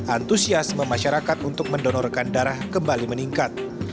antusiasme masyarakat untuk mendonorkan darah kembali meningkat